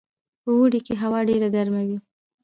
په اوړي کې هوا ډیره ګرمه وي